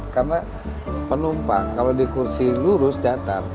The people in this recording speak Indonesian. karena penumpang kalau di kursi lurus datar